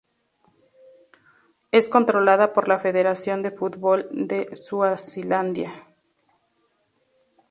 Es controlada por la Federación de Fútbol de Suazilandia.